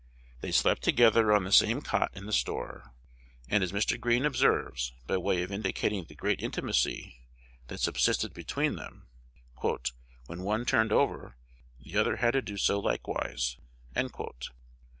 They slept together on the same cot in the store; and as Mr. Green observes, by way of indicating the great intimacy that subsisted between them, "when one turned over, the other had to do so likewise."